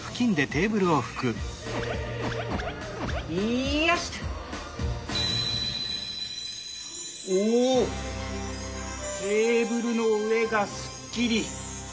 テーブルのうえがすっきり！